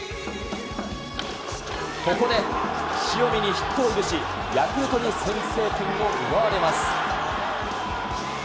ここで塩見にヒットを許し、ヤクルトに先制点を奪われます。